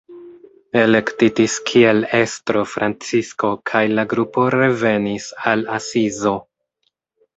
Elektitis kiel estro Francisko kaj la grupo revenis al Asizo.